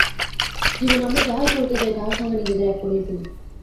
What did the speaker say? জীবনে আমরা যাহাই করিতে যাই, তাহার সঙ্গে নিজেদের এক করিয়া ফেলি।